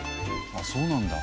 あっそうなんだ。